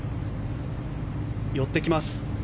寄ってきます。